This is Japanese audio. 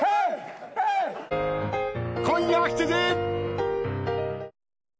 今夜７時。